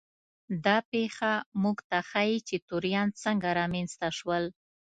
دا پېښه موږ ته ښيي چې توریان څنګه رامنځته شول.